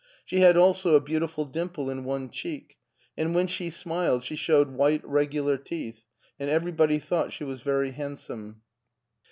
She had also a beautiful dimple in one cheek, and when she smiled she showed white, regular teeth, and everybody thought she was very handsome.